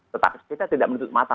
tetapi kita tidak menutup mata